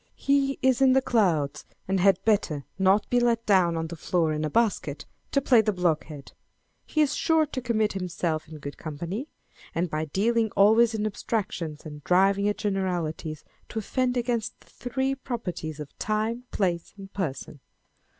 He is in the clouds, and had better not be let down on the floor in a basket, to play the blockhead. He is sure to commit himself in good company, and by dealing always in abstractions, and driving at generalities, to offend against the three pro prieties of time, place, and person.